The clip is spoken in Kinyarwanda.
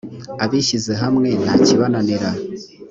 abishyizehamwe ntakibananira.